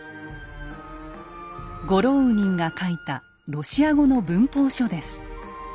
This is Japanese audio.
ゴローウニンが書いたロシア語の文法書です。